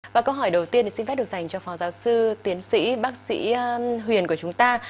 và câu hỏi đầu tiên thì xin phép được dành cho phó giáo sư tiến sĩ bác sĩ huyền của chúng ta